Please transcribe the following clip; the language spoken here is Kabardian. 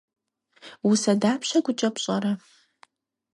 Усэ дапщэ гукӏэ пщӏэр?